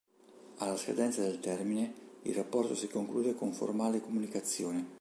Alla scadenza del termine, il rapporto si conclude con formale comunicazione.